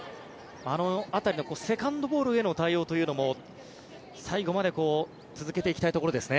あの辺りのセカンドボールへの対応というのも最後まで続けていきたいところですね。